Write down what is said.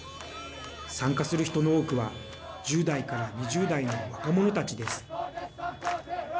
参加する人の多くは１０代から２０代の若者たちです。